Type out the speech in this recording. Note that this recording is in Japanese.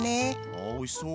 ああおいしそう！